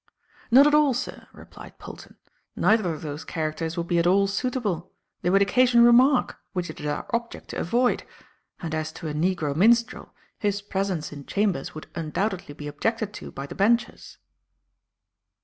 "Not at all, sir," replied Polton. "Neither of those characters would be at all suitable. They would occasion remark, which it is our object to avoid; and as to a negro minstrel, his presence in chambers would undoubtedly be objected to by the benchers."